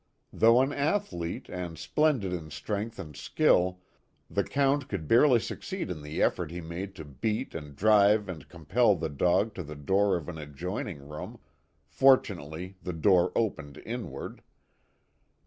Though A LONG HORROR. 93 an athlete, and splendid in strength and skill, the Count could barely succeed in the effort he made to beat and drive and compel the dog to the door of an adjoining room fortunately the door opened inward.